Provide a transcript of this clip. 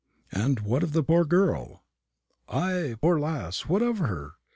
"And what of the poor girl?" "Ay, poor lass, what of her?